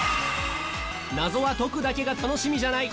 謎は解くだけが楽しみじゃない！